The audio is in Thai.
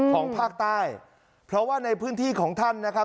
ของภาคใต้เพราะว่าในพื้นที่ของท่านนะครับ